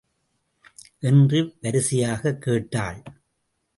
என்று வரிசையாகக் கேட்டாள்.